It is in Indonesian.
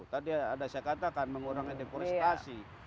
tadi ada saya katakan mengurangi deforestasi